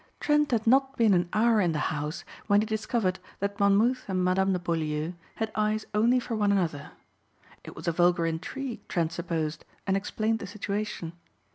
Trent had not been an hour in the house when he discovered that Monmouth and Madame de Beaulieu had eyes only for one another. It was a vulgar intrigue Trent supposed and explained the situation.